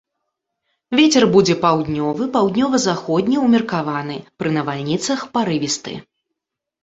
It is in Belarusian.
Вецер будзе паўднёвы, паўднёва-заходні ўмеркаваны, пры навальніцах парывісты.